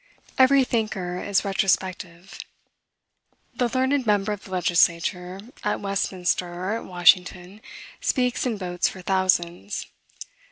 Every thinker is retrospective. The learned member of the legislature, at Westminster, or at Washington, speaks and votes for thousands.